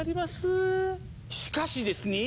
しかしですね